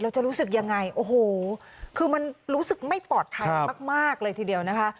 จะรู้สึกยังไงโอ้โหคือมันรู้สึกไม่ปลอดภัยมากเลยทีเดียวนะคะ